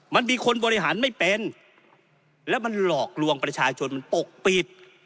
มันมีคนบริหารไม่เป็นแล้วมันหลอกลวงประชาชนมันปกปิด